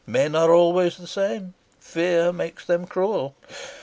men are always the same. Fear makes them cruel....